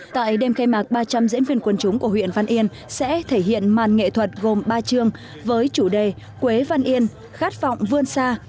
tại đêm khai mạc ba trăm linh diễn viên quân chúng của huyện văn yên sẽ thể hiện màn nghệ thuật gồm ba chương với chủ đề quế văn yên khát vọng vươn xa